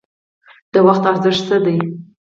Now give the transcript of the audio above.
د وخت ارزښت څه دی؟